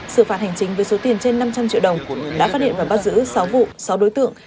sự phạt hành chính với số tiền trên năm trăm linh triệu đồng đã phát hiện và bắt giữ sáu vụ sáu đối tượng